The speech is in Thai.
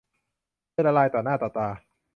เธอละลายต่อหน้าต่อตา